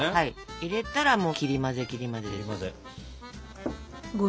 入れたらもう切り混ぜ切り混ぜですよ。